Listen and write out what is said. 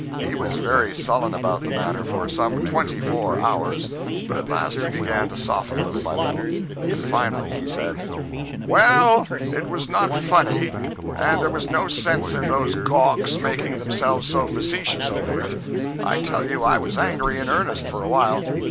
He was very sullen about the matter for some twenty four hours, but at last he began to soften little by little, and finally he said: 062.jpg (81K) "Well, it was not funny, and there was no sense in those gawks making themselves so facetious over it. I tell you I was angry in earnest for awhile.